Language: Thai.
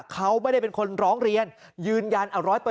เขาไม่ได้เป็นคนร้องเรียนยืนยัน๑๐๐